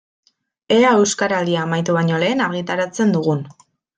Ea Euskaraldia amaitu baino lehen argitaratzen dugun.